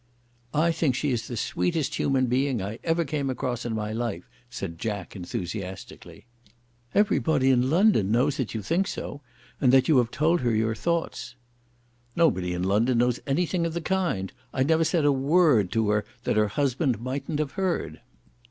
"I think she is the sweetest human being I ever came across in my life," said Jack, enthusiastically. "Everybody in London knows that you think so, and that you have told her your thoughts." "Nobody in London knows anything of the kind. I never said a word to her that her husband mightn't have heard."